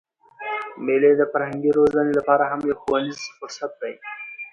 مېلې د فرهنګي روزني له پاره هم یو ښوونیز فرصت دئ.